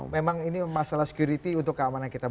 memang ini masalah security untuk keamanan kita